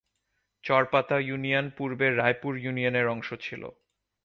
চর Pata union পূর্বে রায়পুর ইউনিয়নের অংশ ছিল।